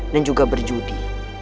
dan juga berjudi